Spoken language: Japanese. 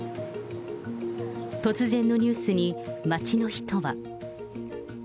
突然のニュースに、街の人は。